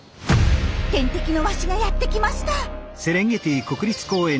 天敵のワシがやって来ました。